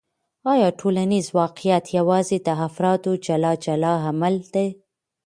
آیا ټولنیز واقعیت یوازې د افرادو جلا جلا عمل دی؟